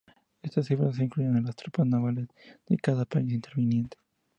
Estas cifras incluyen a las tropas navales de cada país interviniente.